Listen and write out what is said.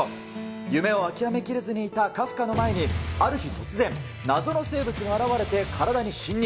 夢を諦めきれずにいたカフカの前に、ある日突然、謎の生物が現れて体に侵入。